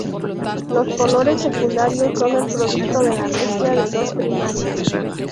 Los colores secundarios son el producto de la mezcla de dos primarios.